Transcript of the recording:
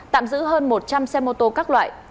tạm giữ hơn một trăm linh xe mô tô các loại